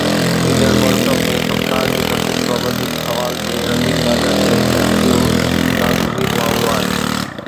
ايندڙ world cup ۾ ڪپتان جي تبديلي بابت هڪ سوال تي رميز راجا چيو ته اهو هڪ ناگزير معاملو آهي.